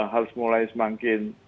harus mulai semakin